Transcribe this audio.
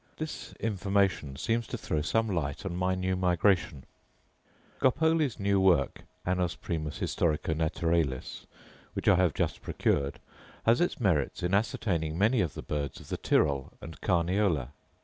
This information seems to throw some light on my new migration. Scopoli's* new work (which I have just procured) has its merits in ascertaining many of the birds of the Tirol and Carniola.